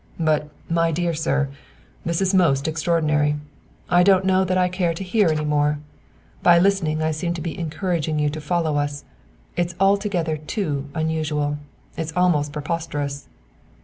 "But, my dear sir, this is most extraordinary! I don't know that I care to hear any more; by listening I seem to be encouraging you to follow us it's altogether too unusual. It's almost preposterous!"